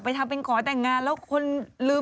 แล้วตกลงขอแต่งงานจริงเหรอ